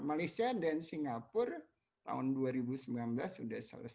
malaysia dan singapura tahun dua ribu sembilan belas sudah selesai